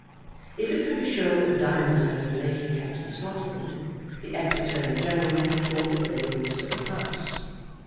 If it could be shown that the diamonds had been lately kept in Scotland, the ex Attorney General thought that they would so pass.